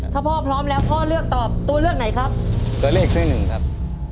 ถ้าพ่อพร้อมแล้วพ่อเลือกตอบตัวเลือกไหนครับตัวเลือกที่หนึ่งครับ